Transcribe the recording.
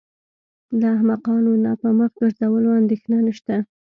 له احمقانو نه په مخ ګرځولو اندېښنه نشته.